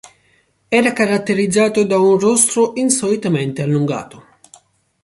Era caratterizzato da un rostro insolitamente allungato.